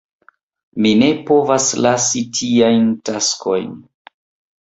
Mi ne povas lasi tiajn taskojn.